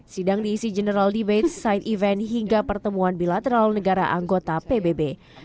sidang diisi general demand side event hingga pertemuan bilateral negara anggota pbb